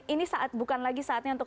ini saat bukan lagi saatnya untuk